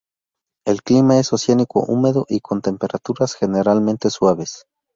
El clima es oceánico, húmedo y con temperaturas generalmente suaves.